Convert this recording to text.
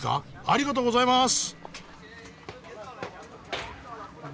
ありがとうございます！